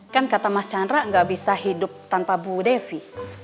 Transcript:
kan kata mas chandra nggak bisa hidup tanpa bu devi